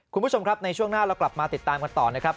คุณผู้ชมครับในช่วงหน้าเรากลับมาติดตามกันต่อนะครับ